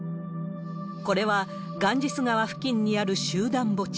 これはガンジス川付近にある集団墓地。